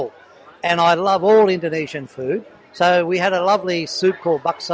jadi kami memiliki sup yang menarik yang disebut bakso